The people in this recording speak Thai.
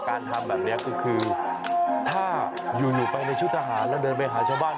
การทำแบบนี้ก็คือถ้าอยู่ไปในชุดทหารแล้วเดินไปหาชาวบ้าน